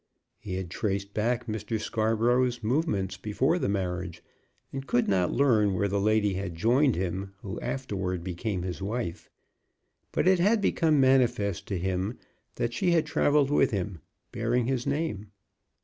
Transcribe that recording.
He had traced back Mr. Scarborough's movements before the marriage, and could not learn where the lady had joined him who afterward became his wife; but it had become manifest to him that she had travelled with him, bearing his name.